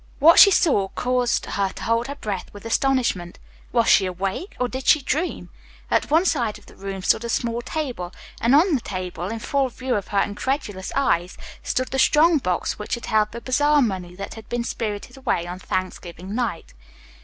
What she saw caused her to hold her breath with astonishment. Was she awake or did she dream? At one side of the room stood a small table, and on the table, in full view of her incredulous eyes, stood the strong box which had held the bazaar money that had been spirited away on Thanksgiving night.